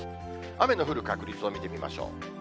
雨の降る確率を見てみましょう。